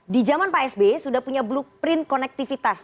di zaman pak sby sudah punya blueprint konektivitas